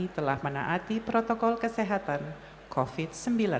telah menaati protokol kesehatan covid sembilan belas